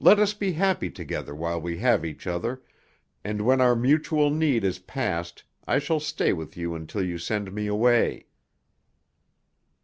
"Let us be happy together while we have each other, and when our mutual need is past I shall stay with you until you send me away."